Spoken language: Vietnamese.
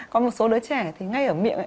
có một số đứa trẻ thì ngay ở miệng